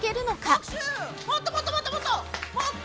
もっともっともっともっと！